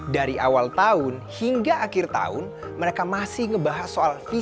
dari awal tahun hingga akhir tahun mereka masih ngebahas soal visi